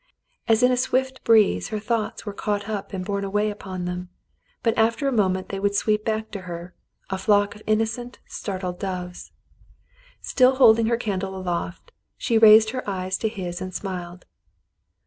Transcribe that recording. As in a swift breeze her thoughts were caught up and borne away upon them, but after a moment they would sweep back to her — a flock of innocent, startled doves. Still holding her candle aloft, she raised her eyes to his and smiled.